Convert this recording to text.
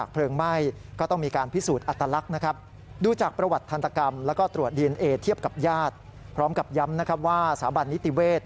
พร้อมกับย้ำนะครับว่าสาบันนิติเวทย์